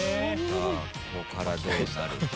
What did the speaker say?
ここからどうなるか。